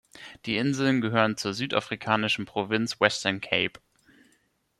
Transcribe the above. Die Inseln gehören zur südafrikanischen Provinz Western Cape.